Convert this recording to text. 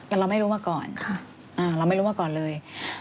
แต่เราไม่รู้มาก่อนเราไม่รู้มาก่อนเลย